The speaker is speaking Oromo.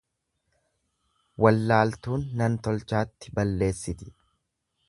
Wallaaltuun nan tolchaatti balleessiti.